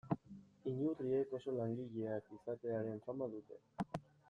Inurriek oso langileak izatearen fama dute.